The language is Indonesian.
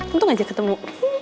untung aja ketemu